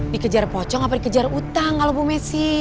dikejar pocong apa dikejar utang kalau bu messi